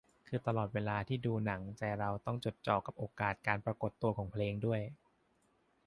คือตลอดเวลาที่ดูหนังใจเราต้องจดจ่อกับโอกาสการปรากฏตัวของเพลงด้วย